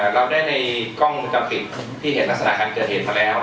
เราได้ในกล้องวงจรปิดที่เห็นลักษณะการเกิดเหตุมาแล้ว